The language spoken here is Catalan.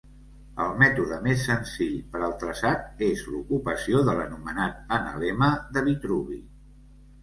El mètode més senzill per al traçat és l'ocupació de l'anomenat analema de Vitruvi.